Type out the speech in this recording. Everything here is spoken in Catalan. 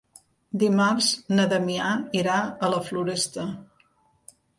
Dimarts na Damià irà a la Floresta.